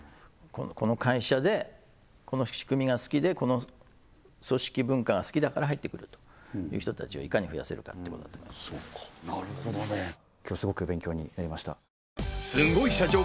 この会社でこの仕組みが好きでこの組織文化が好きだから入ってくるという人たちをいかに増やせるかってことだと思いますねなるほどね今日スゴく勉強になりました